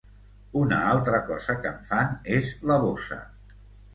Una altra cosa que em fan és la bossa.